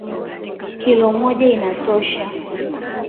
Kilo moja inatosha.